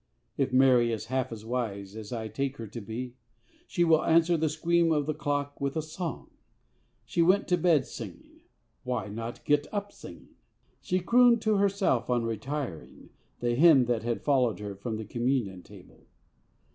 If Mary is half as wise as I take her to be, she will answer the scream of the clock with a song. She went to bed singing; why not get up singing? She crooned to herself on retiring the hymn that had followed her from the Communion Table.